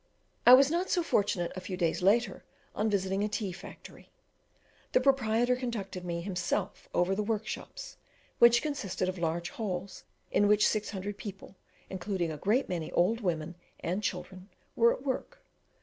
I was not so fortunate a few days later on visiting a tea factory. The proprietor conducted me himself over the workshops, which consisted of large halls, in which six hundred people, including a great many old women and children, were at work.